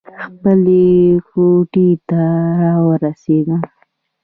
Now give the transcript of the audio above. خپلې کوټې ته راورسېدم.